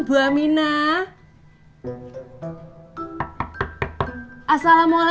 kenapa kamu tak boleh gimana